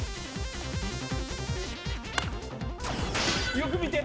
よく見て！